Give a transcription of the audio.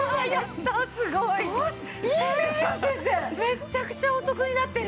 めっちゃくちゃお得になってる。